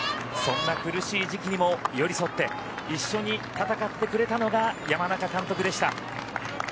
そんな苦しい時期にも寄り添って一緒に戦ってくれたのが山中監督でした。